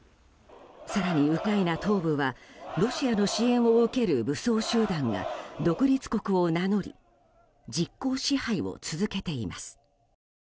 更に、ウクライナ東部はロシアの支援を受ける武装集団が独立国を名乗り実効支配を続けています。